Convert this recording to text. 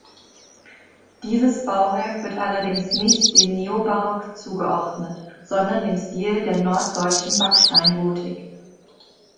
Dieses Bauwerk wird allerdings nicht dem Neobarock zugeordnet, sondern dem Stil der norddeutschen Backsteingotik.